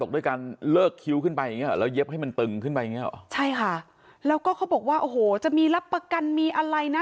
แล้วก็มีลังการมาประกันแบบมีอะไรนะ